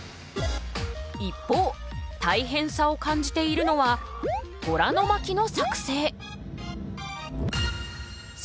一方大変さを感じているのは虎の巻の作成。